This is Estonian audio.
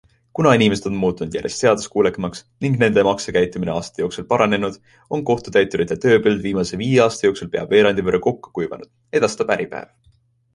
Kuna inimesed on muutunud järjest seaduskuulekamaks ning nende maksekäitumine aastate jooksul paranenud, on kohtutäiturite tööpõld viimase viie aasta jooksul pea veerandi võrra kokku kuivanud, edastab Äripäev.